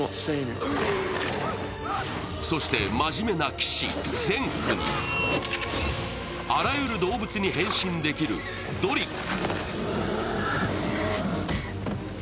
そして、真面目な騎士、ゼンクにあらゆる動物に変身できるドリック。